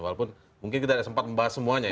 walaupun mungkin kita tidak sempat membahas semuanya